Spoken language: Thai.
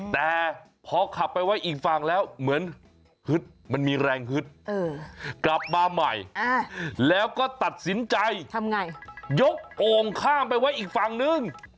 แต่พอขับไปไว้อีกฝั่งแล้วเหมือนฮึดมันมีแรงฮึดกลับมาใหม่แล้วก็ตัดสินใจทำไงยกโอ่งข้ามไปไว้อีกฝั่งนึง